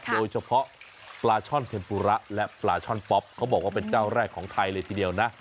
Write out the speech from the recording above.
โดยเฉพาะปลาช่อนเคนปุระและปลาช่อนป๊อปเขาบอกว่าเป็นเจ้าแรกของไทยเลยทีเดียวนะ